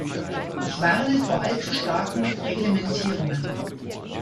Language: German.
Ich warne vor allzu starken Reglementierungen.